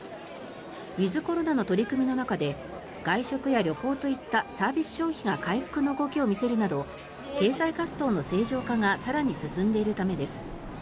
ウィズコロナの取り組みの中で外食や旅行といったサービス消費が回復の動きを見せるなど経済活動の正常化が更に進んでいるためです。